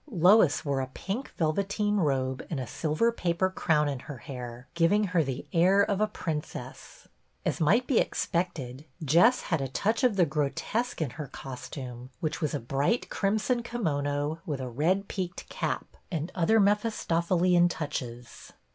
Lois wore a pink velveteen robe and a sil ver paper crown in her hair, giving her the air of a princess. As might be expected, Jess had a touch of the grotesque in her costume, which was a bright crimson kimono with a red peaked cap and other Mephistophelian touches.